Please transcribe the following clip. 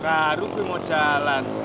karu gue mau jalan